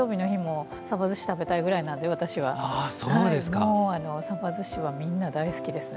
もうさばずしはみんな大好きですね